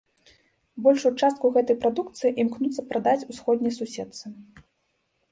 Большую частку гэтай прадукцыі імкнуцца прадаць усходняй суседцы.